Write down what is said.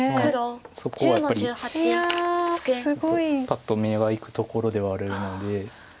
パッと目はいくところではあるので。